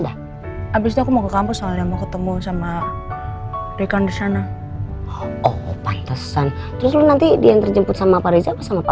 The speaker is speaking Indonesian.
habisnya aku mau kampus mo ketemu sama rekan sustain oh pantes and nanti dia terjemput sama baris dan